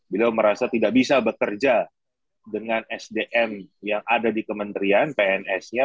beliau merasa tidak bisa bekerja dengan sdm yang ada di kementerian pns nya